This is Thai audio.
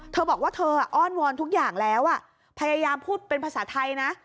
เธอบอกว่าเธออ้อนวอนทุกอย่างแล้วพยายามพูดเป็นภาษาไทยนะ